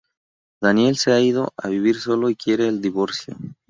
Daniel se ha ido a vivir solo y quiere el divorcio.